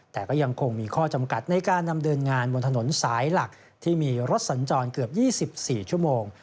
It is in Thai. แต่ก็ยังคงมีข้อจำกัดในการนำเดินงานบนถนนสายหลักที่มีรถสัญจรเกือบ๒๔ชั่วโมง